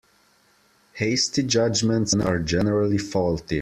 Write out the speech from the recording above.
Hasty judgements are generally faulty.